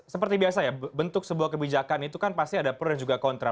seperti biasa ya bentuk sebuah kebijakan itu kan pasti ada pro dan juga kontra